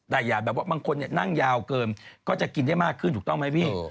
แต่อย่าแบบว่าบางคนนั่งยาวเกินก็จะกินได้มากขึ้นถูกต้องไหมพี่